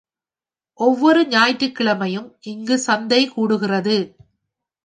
ஒவ்வொரு ஞாயிற்றுக்கிழமையும் இங்குச் சந்தை கூடுகிறது.